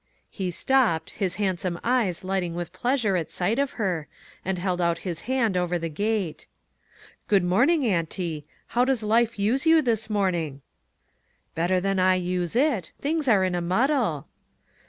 He stopped, his handsome eyes lighting with pleasure at sight of her, arid held out his hand over the gate. " Good morning, auntie ; how does life use you this morning?" 3O ONE COMMONPLACE DAY. " Better than I use it ; things are in a muddle."